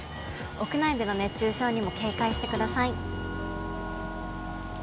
屋内での熱中症にも警戒してください。